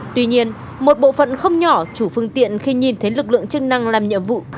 tuy nhiên một bộ phận không nhỏ chủ phương tiện khi nhìn thấy lực lượng chức năng làm nhiệm vụ